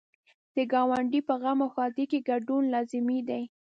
د ګاونډي په غم او ښادۍ کې ګډون لازمي دی.